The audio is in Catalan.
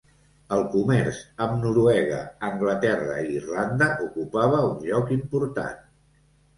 El comerç amb Noruega, Anglaterra i Irlanda ocupava un lloc important.